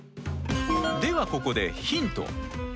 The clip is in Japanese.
ではここでヒント。